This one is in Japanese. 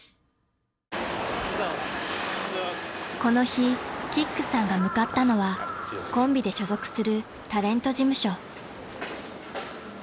［この日キックさんが向かったのはコンビで所属するタレント事務所］